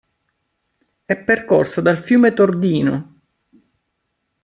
È percorsa dal fiume Tordino.